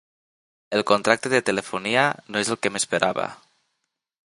El contracte de telefonia no és el que m'esperava.